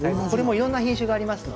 いろんな品種があります。